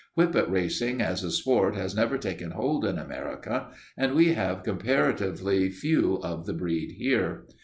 Whippet racing as a sport has never taken hold in America and we have comparatively few of the breed here.